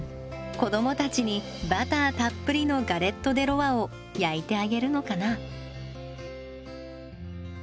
子どもたちにバターたっぷりのガレット・デ・ロワを焼いてあげるのかな？